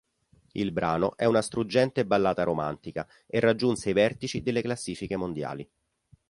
Il brano è una struggente ballata romantica e raggiunse i vertici delle classifiche mondiali.